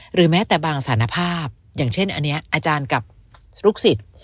หรือแม้แต่บางสารภาพอย่างเช่นอันนี้อาจารย์กับลูกศิษย์